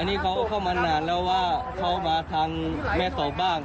อันนี้เขาก็เข้ามานานแล้วว่าเข้ามาทางแม่สอดบ้าง